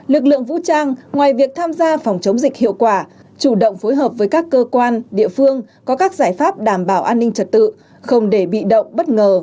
lực lượng vũ trang ngoài việc tham gia phòng chống dịch hiệu quả chủ động phối hợp với các cơ quan địa phương có các giải pháp đảm bảo an ninh trật tự không để bị động bất ngờ